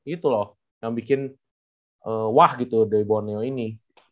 itu loh yang bikin wah gitu dari borneo ini